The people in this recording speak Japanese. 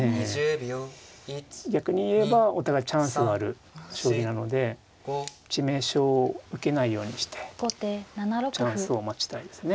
逆に言えばお互いチャンスのある将棋なので致命傷を受けないようにしてチャンスを待ちたいですね。